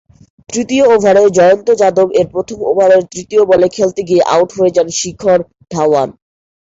তৃতীয় ওভারে জয়ন্ত যাদব এর প্রথম ওভারের তৃতীয় বলে খেলতে গিয়ে আউট হয়ে যান শিখর ধাওয়ান।